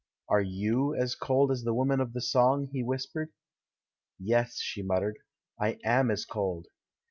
"Are you as cold as the woman of the song?" he whispered. "Yes," she muttered, "I am as cold."